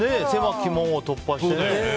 狭き門を突破してね。